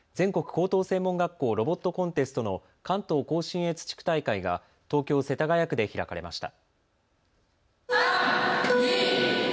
高等専門学校ロボットコンテストの関東甲信越地区大会が東京世田谷区で開かれました。